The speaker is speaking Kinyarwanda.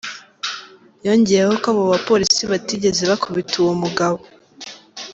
Yongeyeho ko abo bapolisi batigeze bakubita uwo mugabo.